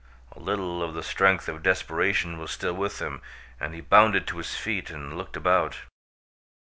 A little of the strength of desperation was still with him and he bounded to his feet and looked about.